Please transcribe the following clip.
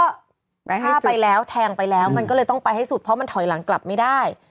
ฆ่าไปแล้วแทงไปแล้วมันก็เลยต้องไปให้สุดเพราะมันถอยหลังกลับไม่ได้